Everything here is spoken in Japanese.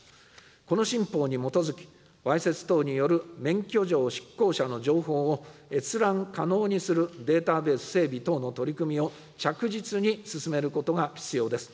この新法に基づき、わいせつ等による免許状失効者の情報を閲覧可能にするデータベース整備等の取り組みを着実に進めることが必要です。